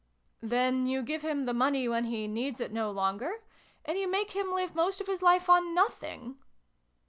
" Then you give him the money when he needs it no longer ? And you make him live most of his life on nothing